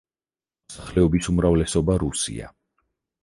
მოსახლეობის უმრავლესობა რუსია.